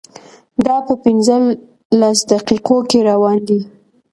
دا په پنځلس دقیقو کې روان دی.